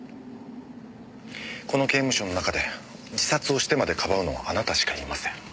この刑務所の中で自殺をしてまでかばうのはあなたしかいません。